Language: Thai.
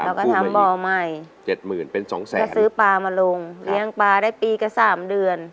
แล้วก็ทำบ่อใหม่เจ็ดหมื่นเป็นสองแสนก็ซื้อปลามาลงเลี้ยงปลาได้ปีก็สามเดือน